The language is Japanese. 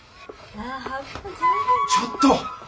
ちょっと！